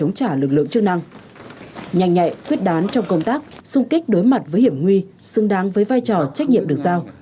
nhanh nhạy quyết đán trong công tác xung kích đối mặt với hiểm nguy xứng đáng với vai trò trách nhiệm được giao